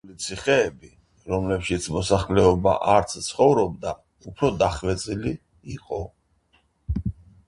მაგრამ ცალკეული ციხეები, რომლებშიც მოსახლეობა არც ცხოვრობდა, უფრო დახვეწილი იყო.